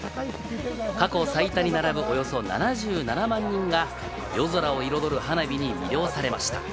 過去最多に並ぶおよそ７７万人が、夜空を彩る花火に魅了されました。